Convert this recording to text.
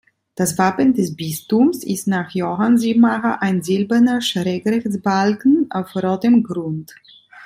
Das Wappen des Bistums ist nach Johann Siebmacher ein silberner Schrägrechtsbalken auf rotem Grund.